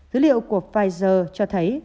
dữ liệu của pfizer cho thấy